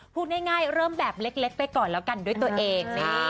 พูดง่ายเริ่มแบบเล็กไปก่อนแล้วกันด้วยตัวเอง